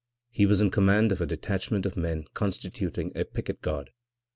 He was in command of a detachment of men constituting a picket guard.